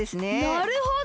なるほど！